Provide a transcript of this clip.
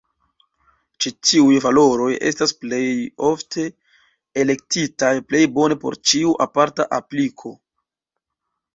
Ĉi tiuj valoroj estas plejofte elektitaj plej bone por ĉiu aparta apliko.